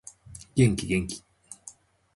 元気元気